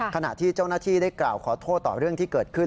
ขณะที่เจ้าหน้าที่ได้กล่าวขอโทษต่อเรื่องที่เกิดขึ้น